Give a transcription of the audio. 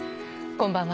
こんばんは。